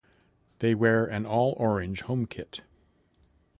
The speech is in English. They wear an all-orange home kit.